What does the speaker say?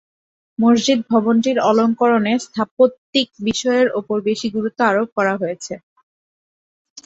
মসজিদ ভবনটির অলংকরণে স্থাপত্যিক বিষয়ের ওপর বেশি গুরুত্ব আরোপ করা হয়েছে।